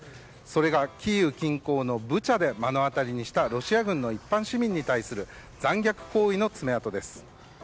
それがキーウ近郊のブチャで目の当たりにしたロシア軍の一般市民に対する残虐行為の爪痕です。